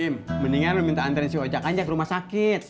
im mendingan lu minta anterin si ocak aja ke rumah sakit